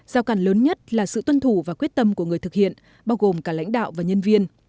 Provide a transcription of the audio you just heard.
giao cản lớn nhất là sự tuân thủ và quyết tâm của người thực hiện bao gồm cả lãnh đạo và nhân viên